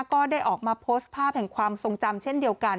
ก็ได้ออกมาโพสต์ภาพแห่งความทรงจำเช่นเดียวกัน